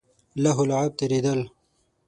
لهو لعب تېرېدل.